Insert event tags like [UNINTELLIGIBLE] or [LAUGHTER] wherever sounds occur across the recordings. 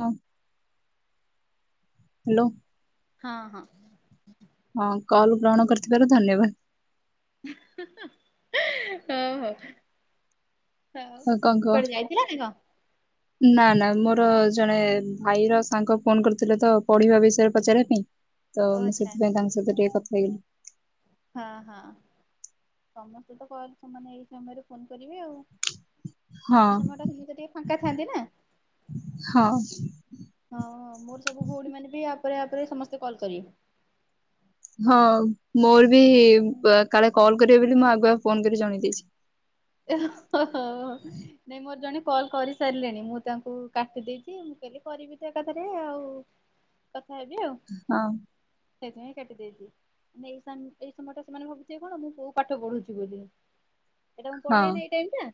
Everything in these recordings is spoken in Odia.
ହଁ ହ୍ୟାଲୋ। ହଁ ହଁ। ହଁ କଲ୍ ଗ୍ରହଣ କରିଥିବାର ଧନ୍ୟବାଦ। ହିଁ ହିଁ ହିଁ ହନ ହଉ ହଉ। ହଉ କଣ କୁହ? ଉପରେ ଯାଇଥିଲେ। [UNINTELLIGIBLE] ନା ନା ମୋର ଜଣେ ଭାଇର ସାଙ୍ଗ ଫୋନ କରିଥିଲେ ତ ପଢିବା ବିଷୟରେ ପଚାରିବା ପାଇଁ। ତ ଓ ମୁଁ ଆଚ୍ଛା ସେଥିପାଇଁ ତାଙ୍କ ସହିତ ଟିକେ କଥା ହେଇଗଲି। ହଁ ହଁ। ସମସ୍ତେ ତ କଲ୍ ସେମାନେ ଏଇ ସମୟରେ ଫୋନ କରିବେ ଆଉ। ହଁ ରାତି ସମୟ ଟା ସେମି ତ ଟିକେ ଫାଙ୍କା ଥାଆନ୍ତି ନା। ହଁ ହଁ ମୋର ସବୁ ଭଉଣୀ ମାନେ ବି ଆପରେ ଆପରେ ସମସ୍ତେ କଲ୍ କରିବେ। ହଁ ମୋର ବି କାଳେ କଲ କରିବେ ବୋଲି ମୁଁ ଆଗୁଆ ଫୋନ କରି ଜଣେଇ ଦେଇଛି। ଓ ହ। ନାଇଁ ମୋର ଜଣେ କଲ୍ କରିସାରିଲେଣି ମୁଁ ତାଙ୍କୁ କାଟି ଦେଇେଇଛି ମୁଁ କହିଲି କରିବି ତ ଏକାଥାରେ ଆଉ। କଥା ହେବି ଆଉ ହଁ। ସେଥିପାଇଁ କାଟି ଦେଇଛି। ନେଇ ସାନ୍ ଏଇ ସମୟଟା ସେମାନେ ଭାବୁଥିବେ କଣ ମୁଁ କୋଉ ପାଠ ପଢ଼ୁଛି ବୋଲି। ଏଇଟା ମୁଁ ପଢା଼ଏ ହଁ ନା ଏଇ ଟାଇମ ଟା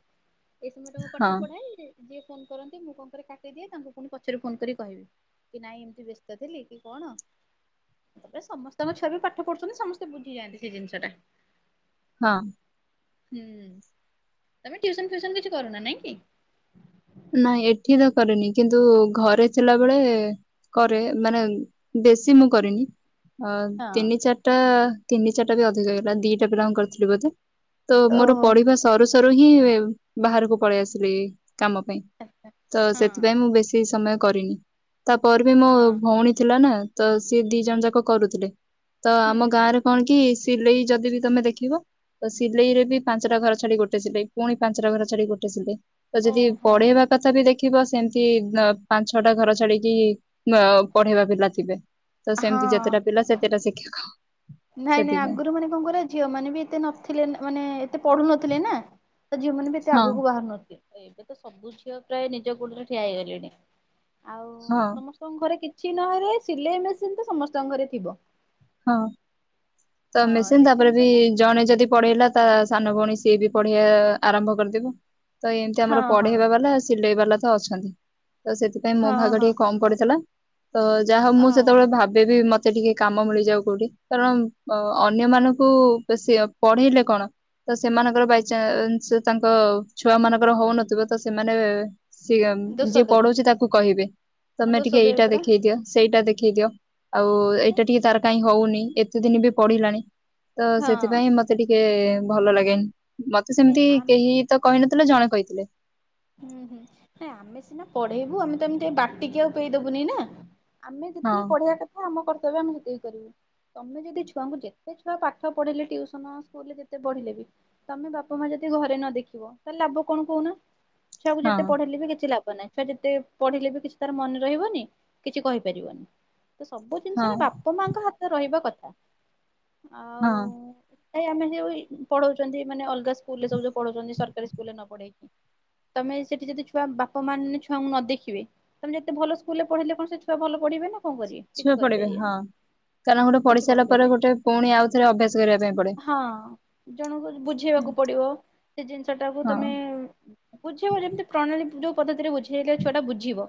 ଏଇ ସମୟରେ ମୁଁ ହଁ ପାଠ ପଢା଼ଏ ଯିଏ ଫୋନ କରନ୍ତି ମୁଁ କଣ କରେ କାଟିଦିଏ ତାଙ୍କୁ ପୁଣି ପଛରେ ଫୋନ କରି କହିବି। କି ନାଇଁ ଏମିତି ବ୍ୟସ୍ତ ଥିଲି କି କଣ। ତାପରେ ସମସ୍ତଙ୍କ ଛୁଆ ବି ପାଠ ପଢ଼ୁଛନ୍ତି ସମସ୍ତେ ବୁଝିଯାଆନ୍ତି ସେ ଜିନିଷ ଟା। ହଁ। ହୁଁ। ତମେ ଟ୍ୟୁସନ ଫ୍ୟୁସନ କିଛି କରୁନା ନାଇଁ କି? ନାଇଁ ଏଠି ର କରେନି କିନ୍ତୁ ଘରେ ଥିଲାବେଳେ କରେ ମାନେ ବେଶୀ ମୁଁ କରେନି। ଅ ହଁ ତିନି ଚାରିଟା ତିନି ଚାରିଟା ବି ଅଧିକ ହେଇଗଲା ଦିଟା ପିଲାଙ୍କୁ କରିଥିଲି ବୋଧେ ତ ମୋର ଓହୋ। ପଢ଼ିବା ସରୁ ସରୁ ହିଁ ବାହାରକୁ ପଳେଇ ଆସିଲି କାମ ପାଇଁ। ତ ହଁ ସେଥିପାଇଁ ମୁଁ ବେଶୀ ସମୟ କରିନି ତାପରେ ବି ମୋ ହଁ ଭଉଣୀ ଥିଲା ନା। ତ ସିଏ ଦି ଜଣ ଯାକ କରୁଥିଲେ ତ ହୁଁ ଆମ ହୁଁ। ଗାଁରେ କଣ କି ସିଲେଇ ଯଦି ବି ତମେ ଦେଖିବ ତ ସିଲେଇ ରେ ବି ପାଞ୍ଚଟା ଘର ଛାଡି ଗୋଟେ ସିଲେଇ ପୁଣି ପାଞ୍ଚଟା ଘର ଛାଡି ଗୋଟେ ସିଲେଇ ତ ଯଦି ଓହୋ ପଢ଼େଇବା ତଥାପି ବି ଦେଖିବ ସେମିତି ପାଞ୍ଚ ଛଅଟା ଘର ଛାଡ଼ି କି ପଢ଼େଇବା ପିଲା ଥିବେ। ତ ସେମିତି ହଁ। ଯେତେଟା ପିଲା ସେତେଟା ଶିକ୍ଷକ। ନାଇଁ ନାଇଁ ସେଥିପାଇଁ ଆଗରୁ ମାନେ କଣ କରିବା ଝିଅ ମାନେ ବି ଏତେ ନଥିଲେ ମାନେ ଏତେ ପଢ଼ୁ ନଥିଲେ ନା ତ ଝିଅ ମାନେ ବି ଏତେ ହଁ ଆଗକୁ ବାହାରୁ ନାହାନ୍ତି ଏବେ ତ ସବୁ ଝିଅ ପ୍ରାୟ ନିଜ ଗୋଡ଼ରେ ଠିଆ ହେଇଗଲେଣି। ଆଉ ହଁ ସମସ୍ତଙ୍କ ଘରେ କିଛି ନହେଲେ ସିଲେଇ ମେସିନ ତ ସମସ୍ତଙ୍କ ଘରେ ଥିବ। ହଁ ତ ହଁ ମେସିନ୍ ସେଇ ତାପରେ ବି ଜିନିଷଟା। ଜଣେ ଯଦି ପଢେ଼ଇଲା ତା ସାନ ଭଉଣୀ ସିଏ ବି ପଢେ଼ଇବା ଆରମ୍ଭ କରିଦେବ ତ ଏମିତି ହଁ ଆମର ହଁ ପଢେଇବା ବାଲା ସିଲେଇ ବାଲା ତ ଅଛନ୍ତି ତ ସେଥିପାଇଁ ସେଥିପାଇଁ ମୋ ହଁ ଭାଗ ହଁ ଟିକେ କମ ପଡ଼ିଥିଲା ତ ଯାହା ମୁଁ ହଉ ସେତେବେଳେ ଭାବେ କି ମତେ ଟିକେ କାମ ମିଳି ଯାଉ କୋଉଠି କାରଣ ଅନ୍ୟ ମାନଙ୍କୁ ବେଶୀ ଆଉ ପଢ଼େଇଲେ କଣ ତ ସେମାନଙ୍କର ବାଇଚାନ୍ସ ତାଙ୍କ ଛୁଆ ମାନଙ୍କର ହଉନଥିବ ତ ସେମାନେ ସିଏମ ଦୋଷ ଯିଏ ଦେବେ ପଢ଼ଉଛି ତାକୁ କହିବେ ତମେ ଦୋଷ ଟିକେ ଦେବେ ଏଇଟା ପରା। ଦେଖେଇ ଦିଅ ସେଇଟା ଦେଖେଇ ଦିଅ ଆଉ ଏଇଟା ଟିକେ ତାର କାଇହିଁ ହଉନି ଏତେ ଦିନ ବି ପଢ଼ିଲାଣି ତ ହଁ। ସେଥିପାଇଁ ମ ମତେ ଟିକେ ଭଲ ଲାଗେନି ମତେ ନାଇଁ ସେମିତି ଆମ କେହି ତ କହିନଥିଲେ ଜଣେ କହିଥିଲେ। ହୁଁ ହୁଁ ହଁ ଆମେ ସିନା ପଢ଼େଇବୁ ଆମେ ତ ଏମିତି ବାଟିକି ଆଉ ପେଇଦବୁନି ନା। ଆମେ ହଁ ଯେତିକି ପଢ଼େଇିବା କଥା ଆମ କର୍ତ୍ତବ୍ୟ ଆମେ ସେତିକି କରିବୁ। ତମେ ଯଦି ଛୁଆଙ୍କୁ ଯେତେ ଛୁଆ ପାଠ ପଢ଼ିଲେ ଟ୍ୟୁସନ ସ୍କୁଲ ରେ ଯେତେ ପଢ଼ିଲେ ବି ତମେ ବାପା ମା ଯଦି ଘରେ ନ ଦେଖିବ ତାହଲେ ଲାଭ କଣ କହୁନା ଛୁଆକୁ ଯେତେ ହଁ ପଢ଼େଇଲେ ବି କିଛି ଲାଭ ନାହିଁ। ଛୁଆ ଯେତେ ପଢ଼ିଲେ ବି କିଛି ତାର ମନେ ରହିବନି କିଛି କହିପାରିବନି। ତ ସବୁ ହଁ ଜିନିଷରେ ବାପା ମାଙ୍କ ହାତରେ ରହିବା କଥା ହଁ ଆଉ ଏ ଆମେ ଯିଏ ପଢ଼ଉଛନ୍ତି ମାନେ ଅଲଗା ସ୍କୁଲ ରେ ସବୁ ଯୋଉ ସ୍କୁଲରେ ପଢ଼ଉଛନ୍ତି ସରକାରୀ ସ୍କୁଲ ରେ ନ ପଢ଼େଇକି ତମେ ସେଠି ଯଦି ଛୁଆ ବାପାମାଆ ମାନେ ଛୁଆଙ୍କୁ ନ ଦେଖିବେ ତମେ ଯେତେ ଭଲ ସ୍କୁଲ ରେ ପଢ଼ିଲେ କଣ ସେ ଛୁଆ ଭଲ ପଢ଼ିବେ ନା କଣ କରିବେ ଛୁଆ କିଛି ପଡିବେ କରିପାରିବେନି। ହଁ କାରଣ ଗୋଟେ କିଛି ପଢି଼ ସାରିଲା ପରେ ପଢିପାରିବେନି ଗୋଟେ ପୁଣି ଆଉଥରେ ଅଭ୍ୟାସ କରିବା ପାଇଁ ପଡ଼େ। ହଁ। ଜଣଙ୍କୁ ବୁଝେଇବାକୁ ପଡ଼ିବ ସେ ଜିନିଷ ଟାକୁ ହଁ ତମେ ବୁଝିବ ଯେମିତି ପ୍ରଣାଳୀ ଯୋଉ ପଦ୍ଧତିରେ ବୁଝେଇଲେ ଛୁଆଟା ବୁଝିବ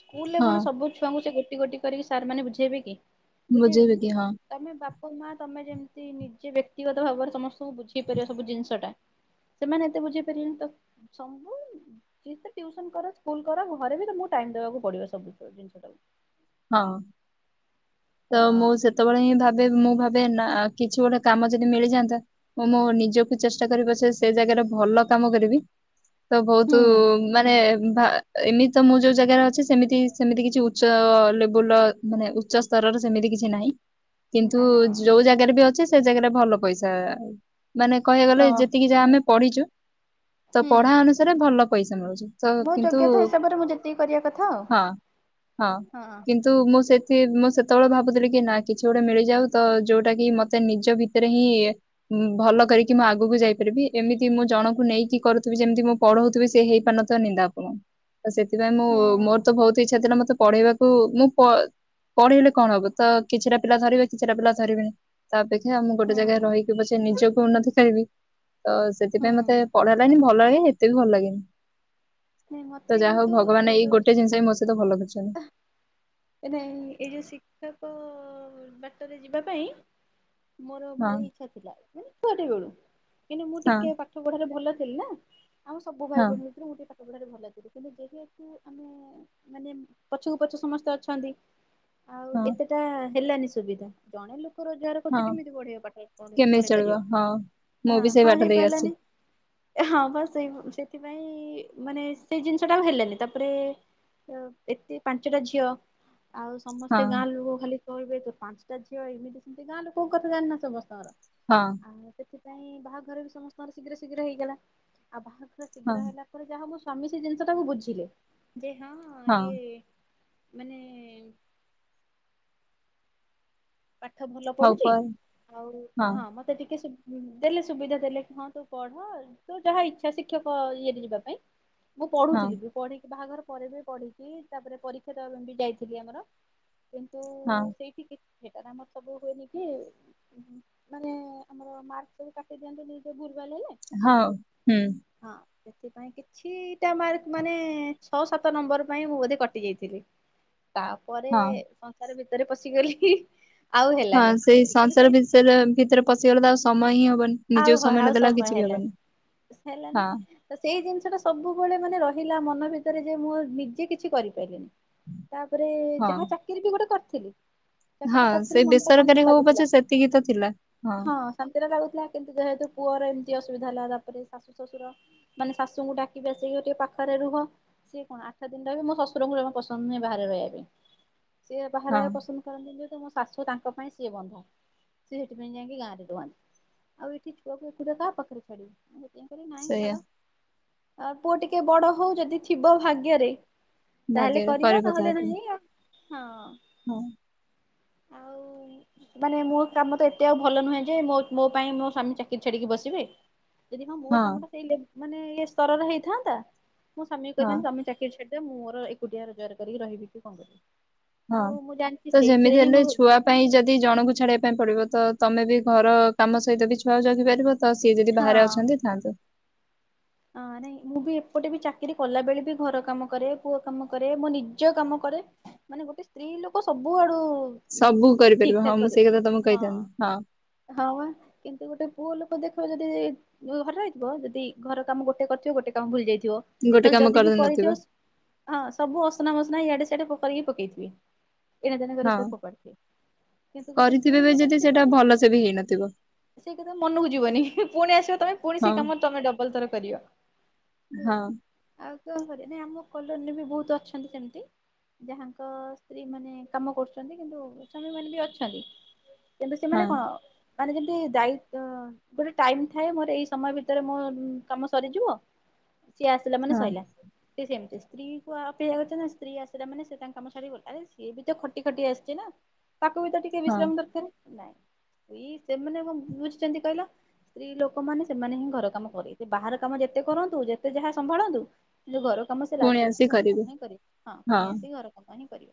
ସ୍କୁଲ ରେ ହଁ କଣ ସବୁ ଛୁଆଙ୍କୁ ସେ ଗୋଟି ଗୋଟି କରିକି ସାର୍ ମାନେ ବୁଝେଇବେ କି ବୁଝେଇବେନି ବୁଝେଇବେ କି ନା। ହଁ ତମେ ବାପା ମା ତମେ ଯେମିତି ନିଜେ ବ୍ୟକ୍ତିଗତ ଭାବରେ ସମସ୍ତେ ସବୁ ବୁଝେଇ ପାରିବା ସବୁ ଜିନିଷ ଟା ସେମାନେ ଏତେ ବୁଝେଇ ପାରିବନି ତ ସବୁ ଟ୍ୟୁସନ କର ସ୍କୁଲ କର ଘରେ ବି ତମକୁ ଟାଇମ ଦେବାକୁ ପଡ଼ିବ ସବୁ ଜିନିଷ ଟାକୁ। ହଁ ତ ହଁ ମୁଁ ସେତ। ସେତେବେଳେ ହିଁ ଭାବେ ମୁଁ ଭାବେ ନା କିଛି ଗୋଟେ କାମ ଯଦି ମିଳିଯାଆନ୍ତା ମୁଁ ମଁ ନିଜକୁ ଚେଷ୍ଟା କରି ପଛେ ସେ ଜାଗାରେ ଭଲ କାମ କରିବି ତ ବହୁତ ହୁଁ ମାନେ ଭା ଏମିତି ତ ମୁଁ ଯୋଉ ଜାଗାରେ ଅଛି ସେମିତି ସେମିତି କିଛି ଉଞ୍ଚା ମାନେ ଉଚ୍ଚସ୍ତରର ସେମିତି କିଛି ନାହିଁ କିନ୍ତୁ ନା ଯୋଉଁ ଜାଗାରେ ବି ଅଛି ସେ ଜାଗାରେ ଭଲ ପଇସା ମାନେ କହିବାକୁ ଓ ଗଲେ ଯେତିକି ଯା ଆମେ ପଢିଛୁ ତ ହୁଁ ପଢା ଅନୁସାରେ ଭଲ ପଇସା ମିଳୁଛି ତ ମୋ କିନ୍ତୁ ଯୋଗ୍ୟତା ହିସାବରେ ମୁଁ ଯେତିକି କରିବା କଥା ଆଉ। ହଁ ହଁ। କିନ୍ତୁ ମୁଁ ସେଥି ମୁଁ ସେତେବେଳେ ଭାବୁଥିଲି କି ନା କିଛି ଗୋଟେ ମିଳିଯାଉ ତ ଯୋଉଟା କି ମତେ ନିଜ ଭିତ ଭିତରେ ହିଁ ଭଲ କରିକି ମୁଁ ଆଗକୁ ଯାଇପାରିବି ଏମିତି ମୁଁ ଜଣଙ୍କୁ ନେଇକି କରୁଥିବି ଯେମିତି ମୁଁ ପଢଉଥିବି ସେ ହେଇ ପାରୁନିବ ନିନ୍ଦା ଅପମାନ ତ ସେଥିପାଇଁ ମୁଁ ହୁଁ ମୋର ତ ବହୁତ ଇଚ୍ଛା ଥିଲା ମୋତେ ପଢେଇବାକୁ ହୁ ମୁଁ ପଢେଇଲେ କଣ ହବ ତ କିଛିଟା ପିଲା ଧରିବେ କିଛିଟା ପିଲା ଧରିବେନି। ତାପେକ୍ଷା ମୁଁ ଗୋଟେ ହୁଁ ଜାଗା ରହିକି ପଛ ନିଜକୁ ଉନ୍ନତି କରିବି। ତ ହୁଁ ସେଥିପାଇଁ ମତେ ପଢା ହେଲାଗନି ଭଲ ଲାଗେ ଏତେ ବି ଭଲ ଲାଗେନି। ନାଇଁ ତ ମତେ ଯାହା ହଉ କିନ୍ତୁ ଭଗବାନ ଏଇ ଯୋଉ ଗୋଟେ ଜିନିଷ ହଁ ମୋ ସହିତ ଭଲ କରିଛନ୍ତି। ନାଇଁ ଏଇ ଯୋଉଁ ଶିକ୍ଷକ ବାଟରେ ଯିବା ପାଇଁ ମୋର ହଁ ଭାରି ଇଛା ଥିଲା ମାନେ ଛୁଆଟେ ବେଳୁ କିନ୍ତୁ ମୁଁ ହଁ ଟିକେ ପା ଠାରେ ଭଲ ଥିଲି ନା ଆମ ସବୁ ଭାଇ ହଁ। ଭଉଣି ଭିତରୁ ଗୋଟେ ସବୁ ଭଲ ଥିଲି କିନ୍ତୁ ଯେହେତୁ ଆମେ ମାନେ ପଛକୁ ପଛ ସମସ୍ତେ ଅଛନ୍ତି ଆଉ ହଁ ଏତେଟା ହେଲାନି ସୁବିଧା ଜଣେ ଲୋକ ରୋଜଗାର ହଁ କରୁଛି କେମିତି ପଢେଇ ପାଠ କେମିତି ପଢେଇ ଚଳିବ ପାରିବା। ହଁ ମୁଁ ବି ସେଇ ହଁ ବାଟ ଦେଇ ଆସିଛି ହେଇପାରିଲାନି। ହଁ ବା ସେଇ ସେଥିପାଇଁ ମାନେ ସେଇ ଜିନିଷ ଟା ଆ ହେଲାନି ତାପରେ ତ ଏତେ ପାଞ୍ଚଟା ଝିଅ ଆଉ ସମସ୍ତେ ହଁ ଗାଁ ଲୋକ ଖାଲି କହିବେ ତୁ ପାଞ୍ଚଟା ଝିଅ ଏମିତି ସେମିତି ଗାଁ ଲୋକ ଙ୍କ କଥା ଜାଣିନ ସମସ୍ତଙ୍କର ହଁ। ଆ ସେଥିପାଇଁ ବାହାଘର ବି ସମସ୍ତଙ୍କର ଶୀଘ୍ର ଶୀଘ୍ର ହେଇଗଲା ଆଉ ବାହାଘର ହଁ ଶୀଘ୍ର ହେଲା ତାପରେ ଯାହା ମୋ ସ୍ଵାମୀ ସେ ଜିନିଷଟାକୁ ବୁଝିଲେ ଯେ ହଁ ଇଏ ମାନେ ହୁଁ। ପାଠ ଭଲ ହଉ ପଢୁଛି ପରେ ଆଉ ହଁ ମତେ ମତେ ଟିକେ ଦେଲେ ସୁବିଧା ଦେଲେ ହଁ ତୁ ପଢ ଆଉ ତୁ ଯାହା ଇଚ୍ଛା ଶିକ୍ଷକ ଇଏରେ ଯିବା ପାଇଁ ମୁଁ ହଁ ପଢୁଥିଲି ବି ପଢିକି ବାହାଘର ପରେ ବି ପଢିଛିି ତାପରେ ପରୀକ୍ଷା ତ ବି ଯାଇଥିଲି ଆମର ଏମିତି ହଁ। ସେଇଠି କିଛି ସେଟ ଆମର ସବୁ ହୁଏନି କି ମାନେ ଆମର ମାର୍କ ବି କଟେଇ ଦିଅନ୍ତି ନିଜେ ଭୁଲ ଭାଲ ହେଲେ। ହଁ ହୁଁ। ହଁ ସେଥିପାଇଁ କିଛିଟା ମାର୍କ ମାନେ ଛଅ ସାତ ନମ୍ବର ପାଇଁ ମୁଁ ବୋଧେ କଟିଯାଇଥିଲି ତାପ ପରେ ହଁ ସଂସାର ଭିତରେ ପଶିଗଲି। ଆଉ ହଁ ହେଲାନି। ସେଇ କିନ୍ତୁ ସଂସାର ସେଇ [UNINTELLIGIBLE] ଭିତରେ ପଶିଗଲେ ତ ଆଉ ସମୟ ହିଁ ହବନି। ଆଉ ନିଜକୁ ହ ଆଉ ନଦେଲେ ସମୟ କିଛି ବି ହବନି ହେଲାନି ହେଲାନି। ହଁ ତ ସେଇ ଜିନିଷ ଟା ସବୁବେଳେ ମାନେ ରହିଲା ମନ ଭିତରେ ଯେ ମୁଁ ନିଜେ କିଛି କରିପାରିଲିନି। ତାପରେ ହଁ ଯାହା ଚାକିରି ବି ଗୋଟେ କରିଥିଲି। ଚାକିରି ଟେ ହଁ କରିଥିଲି ସେଇ ମନ ଟା ଶାନ୍ତି ବେସରକାରୀ ହଉ ଲାଗୁଥିଲା ପଛେ ସେତିକି ତ ଥିଲା ହଁ ଶାନ୍ତିରେ ଲାଗୁଥିଲା। କିନ୍ତୁ ଯେହେତୁ ପୁଅର ଏମିତି ଅସୁବିଧା ହେଲା ତାପରେ ଶାଶୁ ଶ୍ୱଶୁର। ମାନେ ଶାଶୁଙ୍କୁ ଡାକିବି ଆସିକି ଟିକେ ପାଖରେ ରୁହ। ସିଏ କଣ ଆଠ ଦିନ ରହେ ମୋ ଶଶୁରଙ୍କୁ ଯମା ପସନ୍ଦ ନୁହେଁ ବାହାରେ ରହିବା ପାଇଁ ସିଏ ବାହାର ହଁ ରିବା ପସନ୍ଦ। [UNINTELLIGIBLE] ଯେ ମୋ ଶାଶୁ ତାଙ୍କ ପାଇଁ ସିଏ ବନ୍ଧା ସି ସେଥିପାଇଁ ଯାଇକି ଗାଁରେ ରୁହନ୍ତି। ଆଉ ଏଠି ଛୁଆକୁ ଏକୁଟିଆ କାହା ପାଖରେ ଛାଡିବି ନାଇଁ ସେଇଆ ଛାଡ। ଆ ପୁଅ ଟିକେ ବଡ ହଉ ଯଦି ଥିବ ଭାଗ୍ୟରେ। ତାହେଲେ ଭାଗ୍ୟରେ କରିବା କରିବ ତାହା ନହେଲେ ପାଇଁ ନାହିଁ ଆ ହଁ। ହଁ। ଆଉ ମାନେ ମୋ କାମ ତ ଏତେ ଆଉ ଭଲ ନୁହେଁ ଯେ ମୋ ମୋ ପାଇଁ ମୋ ସ୍ବାମୀ ଚାକିରି ଛାଡିକି ବସିବେ ଯଦି ହଁ ମୋ କାମ ଟା ସେଇ ମାନେ ଇଏ ସ୍ତରରେ ହେଇଥାନ୍ତା ମୁଁ ସ୍ୱାମୀ ହଁ କହିଥାନ୍ତି ସ୍ୱାମୀ ଚାକିର ଛାଡି ଦିଅ ମୁଁ ମୋର ଏକୁଟିଆ ରୋଜଗାର କରିକି ରହିବି କି କଣ କରିବି। ହଁ ଆଉ ମୁଁ ଜାଣିଛି ତ ସେଇଥିରେ ଯେମିତି ହିଁ ମୋ ହେଲେ ଛୁଆ ଭବିଷ୍ୟତ ପାଇଁ ଯଦି ଜଣଙ୍କୁ ଛାଡିବା। ପାଇଁ ପଡିବ ତ ତମେ ବି ଘର କାମ ସହିତ ବି ଛୁଆ ଯଗିପାରିବ ତ ସିଏ ଯଦି ବାହାରେ ହଁ। ଅଛନ୍ତି ଥାନ୍ତୁ। ହଁ ନାଇଁ ମୁଁ ବି ଏପଟେ ବି ଚାକିରରି କଲା ବେଳେ ବି ଘର କାମ କରେ ପୁଅ କାମ କରେ ମୋ ନିଜ କାମ କରେ। ମାନେ ଗୋଟେ ସ୍ତ୍ରୀ ଲୋକ ସବୁ ଆଡୁ। ସବୁ ଠିକ କରିପାରିବ ହଁ ଠାକ ମୁଁ କରେ ସେଇ କଥା ତମକୁ କହିଥାନ୍ତି ହଁ। ହଁ କିନ୍ତୁ ଗୋଟେ ପୁଅ ଲୋକ ଦେଖିବ ଯଦି ଘରେ ରହିଥିବ ଯଦି ଘର କାମ ଗୋଟେ କରିଥିବ ଗୋଟେ କାମ ଭୁଲି ଯାଇଥିବ ଗୋଟେ ନହେଲେ କାମ ଯଦି ବି କରିନଥିବ କରିଥିବ ହଁ ସବୁ ଅସନା ମସନା ଇଆଡେ ସିଆଡେ ଫୋପାଡ଼ିକି ପକେଇଥିବି। ଏଣେ ତେଣେ କରି ସବୁ ହଁ। ଫୋପାଡ଼ିଥିବେ କିନ୍ତୁ ଗୋଟେ ସ୍ତ୍ରୀ କରିଥିବେ ବି ଲୋକ ଯଦି ସେଇଟା କରିବ ଭଲସେ ବି ହେଇନଥିବ ସେଇ କଥା ମନକୁ ଯିବନି ପୁଣି ଆସିବ ତମେ ପୁଣି ହଁ ସେଇ କାମରେ ତମେ ଡବଲ ଥର [UNINTELLIGIBLE] ହଁ ହଁ ଆଉ କଣ କରିବା ନାଇ ଆମ କଲୋନୀରେ ବି ବହୁତ ଅଛନ୍ତି ସେମତି। ଯାହାଙ୍କ ସ୍ତ୍ରୀ ମାନେ କାମ କରୁଛନ୍ତି କିନ୍ତୁ ଶ୍ରମୀ ମାନେ ବି ଅଛନ୍ତି। କିନ୍ତୁ ହଁ ସେମାନେ କଣ ମାନେ ଯେମତି ଦାୟିତ୍ୱ ଗୋଟେ ଟାଇମ ଥାଏ ମୋର ଏଇ ସମୟ ଭିତରେ ମୁଁ କାମ ସରିଯିବ ସିଏ ଆସିଲା ମାନେ ହଁ ସରିଲା। ଟିକ ସେମିତି ସ୍ତ୍ରୀ କୁ ଆପି ଅଛ ନା ସ୍ତ୍ରୀ ଆସିଲା ମାନେ ସେ ତାଙ୍କ କାମ ସାର ଗଲାରେ ସିଏ ବି ତ ଖଟି ଖଟି ଆସସିଛି ନା। ତାକୁ ବି ତ ଟିକେ ହଁ। ବିଶ୍ରାମ ଦରକାର କି ନାଇଁ। ଏଇ ସେମାନେ କଣ ବୁଝିଛନ୍ତି କହିଲ ସ୍ତ୍ରୀ ଲୋକମାନେ ସେମାନେ ହିଁ ଘର କାମ କରେ। ସେ ବାହାର କାମ ଯେତେ କରନ୍ତୁ ଯେତେ ଯାହା ସମ୍ଭାଳନ୍ତୁ। ଯୋଉ ଘର କାମ ସେ ଲାଷ୍ଟୁ ଆସି ଘର କାମ ହିଁ କରିବେ ହଁ ପୁଣି ଆସିି ଘର କାମ ହିଁ କରିବ।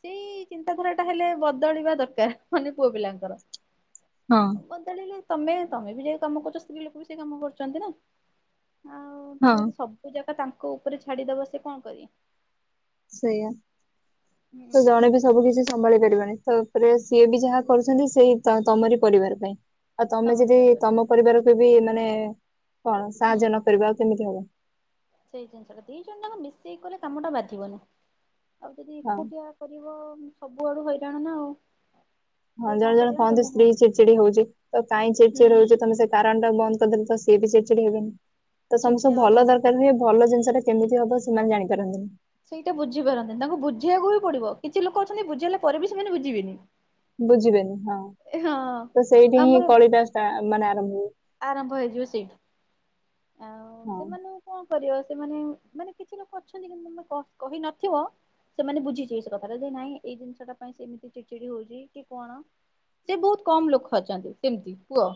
ସେଇ ଚିନ୍ତାଧାରା ଟା ହେଲେ ବଦଳିବା ଦରକାର ମାନେ ପୁଅ ପିଲାଙ୍କର। ହଁ। ବଳିଲଲେ ତମେ ତମେ ବି ଯ କାମ କରୁଛ ସ୍ତ୍ରୀ ଲୋକ ବି ସେ କାମ କରୁଛନ୍ତି ନା। ଆଉ ହଁ। ତମେ ଯଦି ସବୁ ଜାଗା ତାଙ୍କ ଉପରେ ଛାଡିଦବ ସେ କଣ କରିବେ। ସେଇଆ ତ ହୁଁ। ଜଣେ ବି ସବୁ କିଛି ସମ୍ଭାଳି ପାରିବନି ତାପରେ ସିଏ ବି ଯାହା କରୁଛନ୍ତି ସେଇ ତମରି ପରିବାର ପାଇଁ। ଆଉ ତମେ ତମରି ଯଦି ପରିବାର ତମ ପରିବାରକୁ ବି ମାନେ କଣ ହୁଁ ସାହାଯ୍ୟ ନକରିବ ଆଉ କେମିତି ହବ। ସେଇ ଜିନିଷଟା ଦି ଜଣ ଟାଙ୍କ ମିଶେଇ କଲେ କାମଟା ବାଧିବନି ଆଉ ହଁ ଯଦିକୁଟିଆ। କରିବ ସବୁଆଡୁ ହଇରାଣ ନା ଆଉ। ହଁ ସିଏ ଜଣେ କଣ ଜଣେ କରିବେ ନା କହନ୍ତି ତମେ ସ୍ତ୍ରୀ ହୁଁ ଚିଡି ଚିଡି ହଉଛି ତ କାଇଁ ଚିଡି ଚିଡି ହଉଛି ତମେ କାରଣ ଟା ବନ୍ଦ କରିଦେଲେ ତ ସିଏ ବି ଚିଡି ଚିଡି ହେବେନି ତ ସମସ୍ତେ ଚିଡଚିଡି ହବା ଭଲ ବନ୍ଦ ହେଇଯିବେ। ଦରକାର ହୁଏ। ଭଲ ଜିନିଷ ଟା କେମିତି ହବ ସେମାନେ ଜାଣିପାରନ୍ତିନି। ସେଇଟା ବୁଝିପାରନ୍ତି ତାଙ୍କୁ ବୁଝିବାକୁ ବି ପଡିବ କିଛି ଲୋକ ଅଛନ୍ତି ବୁଝେଇଲା ପରେ ବି ସେମାନେ ବୁଝିବେନି। ବୁଝିବେନି ହଁ, ହଁ ତ ସେଇଠି ଆମର ହିଁ କଳିଟା ଷ୍ଟା ମାନେ ଆରମ୍ଭ ହୁଏ। ଆରମ୍ଭ ହେଇଯିବ ସେଇଠି, ଆଉ ହଁ ସେମାନେ କଣ କରିବ ସେମାନେ, ମାନେ କିଛି ଲୋକ ଅଛନ୍ତି କିନ୍ତୁ ତମେ କହିନଥିବ ସେମାନେ ବୁଝିଯିବେ ସେ କଥା ଟା, ଯେ ନାଇଁ ଏଇ ଜିନିଷ ଟା ପାଇଁ ସେମିତି ଚିଡି ଚିଡି ହଉଛି କି କଣ। ସେ ବହୁତ କମ୍ ଲୋକ ଅଛନ୍ତି ସେମିତି କୁହ।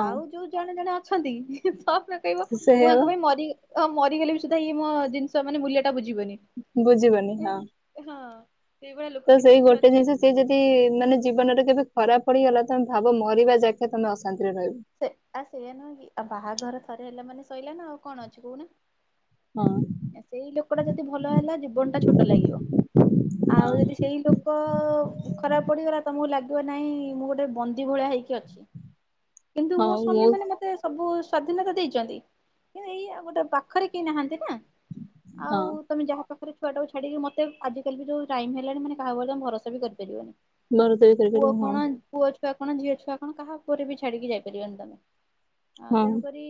ଆଉ ଯୋଉ ଜଣେ ଜଣେ ଅଛନ୍ତି, ତମେ କହିବ ସେଇଆ ମୁଁ ବା ଆଙ୍କ ପାଇଁ ମରି ଓ ମରିଗଲେ ବି ସୁଧା, ଇଏ ମୋ ଜିନିଷ ମାନେ ମୂଲ୍ୟଟା ବୁଝିବେନି। ବୁଝିବନି ହଁ। ହଁ। ସେଇଭଳିଆ ଲୋକ ତ କିଛି ସେଇ କିଛି ଗୋଟେ ଅଛନ୍ତି ଜିନିଷ, ସିଏ ବହୁତ। ଯଦି ମାନେ ଜୀବନରେ କେବେ ଖରାପ ପଡିଗଲା, ତମେ ଭାବ ମରିବା ଯାକେ ତମେ ଅଶାନ୍ତିରେ ରହିବ। ସେ ଆ ସେୟଆ ନୁହେଁ କି, ଆଉ ବାହାଘର ଥରେ ହେଲା ମାନେ ସଇଲା। ନା ଆଉ କଣ ଅଛି କହୁନା? ହଁ। ସେଇ ଲୋକଟା ଯଦି ଭଲ ହେଲା ଜୀବନଟା ଛୋଟ ଲାଗିବ। ଆଉ ହଁ ଯଦି ସେଇ ଲୋକ ଖରାପ ପଡିଗଲା, ତମକୁ ଲାଗିବ ନାଇଁ ମୁଁ ଗୋଟେ ବ ନ୍ଦୀ ଭଳିଆ ହେଇକି ଅଛି। କିନ୍ତୁ ମୋ ହଁ ମୁଁ ସ୍ୱାମୀ ମାନେ ମତେ ସବୁ ସ୍ଵାଧୀନତା ଦେଇଛନ୍ତି, କିନ୍ତୁ ଏଇଆ ଗୋଟେ ପାଖରେ କେହି ନାହାନ୍ତି ନା। ହଁ ଆଉ ତମେ ଯାହା ପାଖରେ ଛୁଆଟାକୁ ଛାଡିକି ମତେ ଆଜି କାଲି ବି ଯୋଉ ଟାଇମ୍ ହେଲାଣି, ମାନେ କାହା ଉପରେ ତମେ ଭରସା ବି କରିପାରିବନି। ମୋର ତ ଏଇ ପୁଅ ତରକାରୀ। ହଁ କଣ, ପୁଅ ଛୁଆ କଣ ଝିଅ ଛୁଆ କଣ କାହା ଉପରେ ବି ଛାଡିକି ଯାଇ ପାରିବନି ତମେ, ଆଉ ହଁ ତେଣୁକରି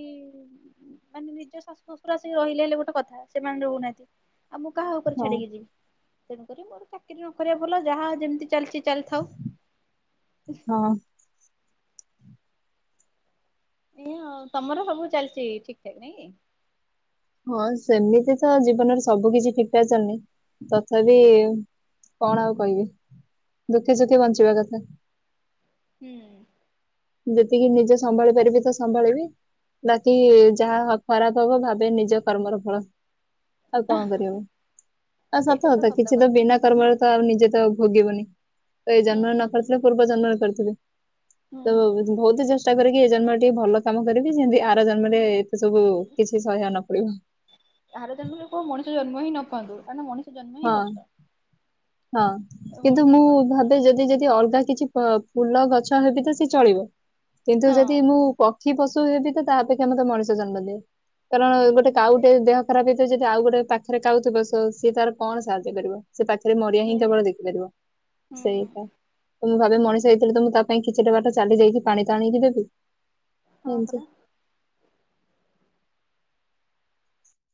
ମାନେ ନିଜ ଶାଶୁ ଶ୍ୱଶୁର ଆସିକି ରହିଲେ ହେଲେ ଗୋଟେ କଥା, ସେମାନେ ରହୁନାହାନ୍ତି। ଆଉ ମୁଁ କାହା ଉପରେ ହଁ ଛାଡିକି ଯିବି? ତେଣୁକରି ମୋର ଚାକିରି ନକରିଆ ଭଲ, ଯାହା ଯେମିତି ଚାଲିଛି ଚାଲିଥାଉ। ହଁ। ଏଇଆ ଆଉ, ତମର ସବୁ ଚାଲିଛି ଠିକ୍ ଠାକ୍ ନାଇଁ କି? ହଁ ସେମିତି ତ ଜୀବନରେ ସବୁ କିଛି ଠିକ୍ ଠାକ୍ ଚାଲିନି, ତଥାପି କଣ ଆଉ କହିବି, ଦୁଖେ ସୁଖେ ବଞ୍ଚିବା କଥା। ହୁଁ। ଯେତିକି ନିଜେ ସମ୍ଭାଳି ପାରିବି ତ ସମ୍ଭାଳିବି। ବାକି ଯାହା ଖରାପ ହବ ଭାବେ ନିଜ କର୍ମର ଫଳ। ଆଉ କଣ କରିବ, ଆଉ ସତ କଥା କିଛି ତ ବିନା କର୍ମରେ ତ ଆଉ ନିଜେ ତ ଭୋଗିବନି। ଏଇ ହୁଁ ଜନ୍ମରେ ନ କରିଥିଲେ ପୂର୍ବ ଜନ୍ମରେ କରିଥିବି। ହୁଁ ତ ବହୁତ ଚେଷ୍ଟା କରେ କି, ଏ ଜନ୍ମରେ ଟିକେ ଭଲ କାମ କରିବି। ଯେମତି ଆର ଜନ୍ମରେ ଏତେ ସବୁ କିଛି ସହିଆକୁ ନ ପଡିବ। ଆର ଜନ୍ମରେ କୋଉ ମଣିଷ ଜନ୍ମ ହିଁ ନ ପାଆନ୍ତୁ, କାରଣ ମଣିଷ ଜନ୍ମ ହିଁ ହଁ କଷ୍ଟ। ହଁ କିନ୍ତୁ ମଣି ମୁଁ ମଣିଷର ଭାବେ ଯଦି ଯଦି ଅଲଗା କିଛି ଫୁଲ ଗଛ ହେବି ତ ସିଏ ଚଳିବ, କିନ୍ତୁ ହଁ। ଯଦି ମୁଁ ପ ପକ୍ଷୀ ପଶୁ ହେବି ତ ତାହା ଅପେକ୍ଷା ମୋତେ ମଣିଷ ଜନ୍ମ ଦେ, କାରଣ ଗୋଟେ କାଉଟେ ଦେହ ଖରାପ ହେଇଥିବ, ଯଦି ଆଉ ଗୋଟେ ପାଖରେ କାଉ ଥିବ ସି ସିଏ ତାର କଣ ସାହାଯ୍ୟ କରିବ। ସେ ପାଖ ଖାଲି ମରିଆ ହିଁ ହୁଁ କେବଳ ଦେଖିପାରିବ, ସେଇଟା ତ ମୁଁ ଭାବେ ମଣିଷ ହେଇଥିଲେ ତ, ମୁଁ ତା ପାଇଁ କିଛିଟା ବାଟ ଚାଲି ଯାଇକି ପାଣି ଟାଣିକି ଦେବି। ହଁ ଏମିତି। ପରା।